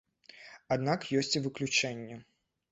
Аднак ёсць і выключэнні.